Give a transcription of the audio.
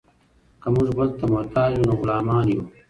که موږ بل ته محتاج وو نو غلامان یو.